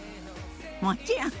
もちろん！